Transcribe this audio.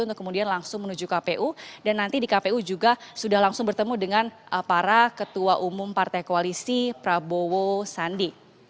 untuk kemudian langsung menuju kpu dan nanti di kpu juga sudah langsung bertemu dengan para ketua umum partai koalisi prabowo sandi